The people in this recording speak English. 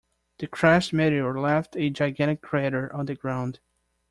The crashed meteor left a gigantic crater on the ground.